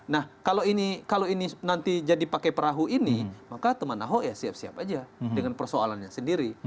nah kalau ini nanti jadi pakai perahu ini maka teman ahok ya siap siap aja dengan persoalannya sendiri